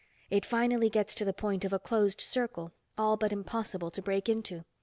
It finally gets to the point of a closed circle all but impossible to break into.